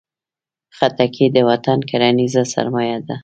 خټکی د وطن کرنیزه سرمایه ده.